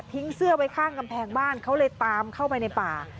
เสื้อไว้ข้างกำแพงบ้านเขาเลยตามเข้าไปในป่า